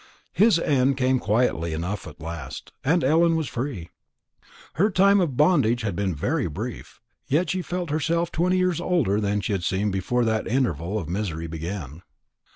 His end came quietly enough at last, and Ellen was free. Her time of bondage had been very brief, yet she felt herself twenty years older than she had seemed before that interval of misery began.